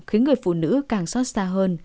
khiến người phụ nữ càng xót xa hơn